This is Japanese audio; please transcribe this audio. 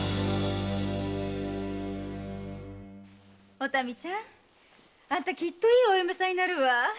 おたみちゃんあんたきっといいお嫁さんになるわ。